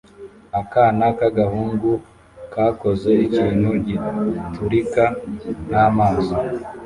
Akana k'agahungu kakoze ikintu giturika n'amazi